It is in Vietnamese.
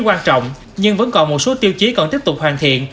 quan trọng nhưng vẫn còn một số tiêu chí còn tiếp tục hoàn thiện